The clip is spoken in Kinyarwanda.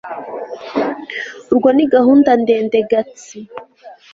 urwo ni gahunda ndende. gatsi